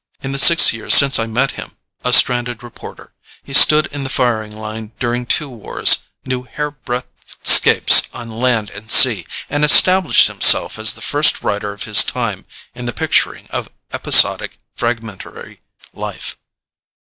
In the six years since I met him, a stranded reporter, he stood in the firing line during two wars, knew hairbreadth 'scapes on land and sea, and established himself as the first writer of his time in the picturing of episodic, fragmentary life.